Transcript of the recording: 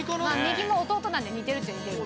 右も弟なんで似てるっちゃ似てる。